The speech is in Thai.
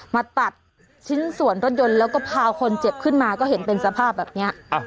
มาตัดชิ้นส่วนรถยนต์แล้วก็พาคนเจ็บขึ้นมาก็เห็นเป็นสภาพแบบนี้